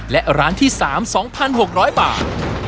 และร้านที่๓๒๖๐๐บาท